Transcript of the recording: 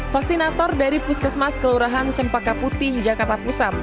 vaksinator dari puskesmas kelurahan cempaka putih jakarta pusat